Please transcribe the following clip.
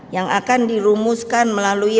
yang akan dirumuskan melalui